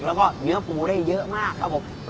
แล้วก็เนื้อปูได้เยอะมากครับผม